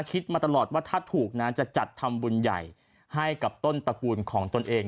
คิดมาตลอดว่าถ้าถูกนะจะจัดทำบุญใหญ่ให้กับต้นตระกูลของตนเอง